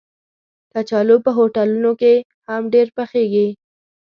کچالو په هوټلونو کې هم ډېر پخېږي